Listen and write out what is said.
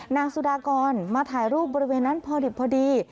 นางสุดากรมาถ่ายรูปบริเวณนั้นพอดิบพอดี